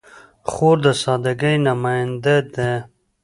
خور د سادګۍ نماینده ده.